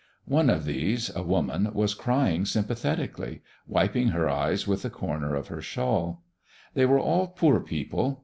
One of these, a woman, was crying sympathetically, wiping her eyes with the corner of her shawl. They were all poor people.